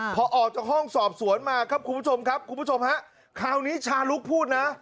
พอออกจากห้องสอบสวนมาครับคุณผู้ชมครับคุณผู้ชมฮะคราวนี้ชาลุกพูดนะ